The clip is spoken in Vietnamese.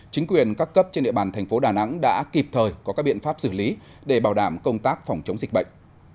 chính quyền các cấp trên địa bàn thành phố đà nẵng đã kịp thời có các biện pháp xử lý để bảo đảm công tác phòng chống dịch bệnh